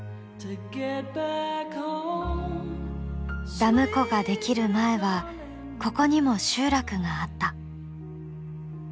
ダム湖が出来る前はここにも集落があった。